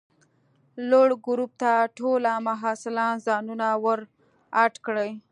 لوړ ګروپ ته ټوله محصلان ځانونه ور اډ کئ!